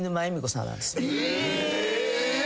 え！